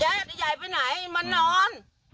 แจ๊ดไอ้ใหญ่ไปไหนมันนอน